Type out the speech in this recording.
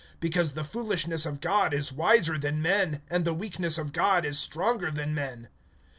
(25)Because the foolishness of God is wiser than men; and the weakness of God is stronger than men.